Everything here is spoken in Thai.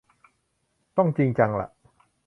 ต้อง จริงจังละ